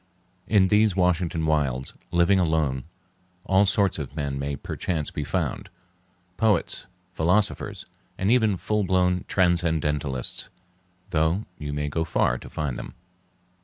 In these Washington wilds, living alone, all sorts of men may perchance be found—poets, philosophers, and even full blown transcendentalists, though you may go far to find them.